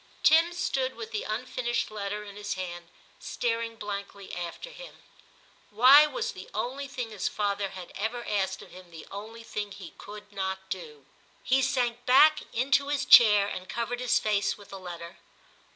Tim stood with the unfinished letter in his hand staring blankly after him. Why was the only thing his father had ever asked of him the only thing he could not do ? He sank back into his chair and covered his face with the letter.